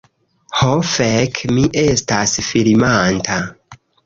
Ho, fek' mi estas filmanta...